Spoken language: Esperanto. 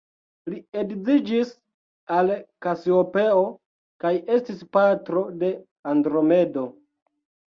Li edziĝis al Kasiopeo, kaj estis patro de Andromedo.